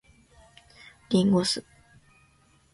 林檎酢